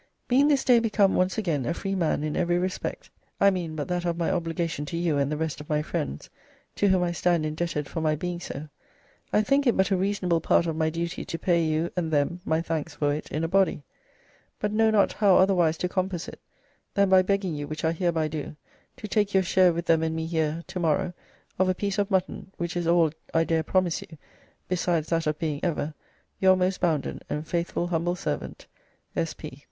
"Being this day become once again a free man in every respect, I mean but that of my obligation to you and the rest of my friends, to whom I stand indebted for my being so, I think it but a reasonable part of my duty to pay you and them my thanks for it in a body; but know not how otherwise to compass it than by begging you, which I hereby do, to take your share with them and me here, to morrow, of a piece of mutton, which is all I dare promise you, besides that of being ever, "Your most bounden and faithful humble servant, "S. P."